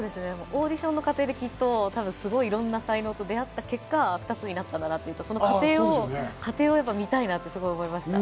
オーディションの過程でいろんな才能と出会った結果、２つになったんだなと、その過程を見たいなと思いました。